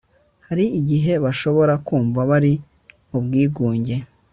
hari igihe bashobora kumva bari mu bwigunge